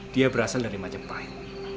dia berasal dari majapahit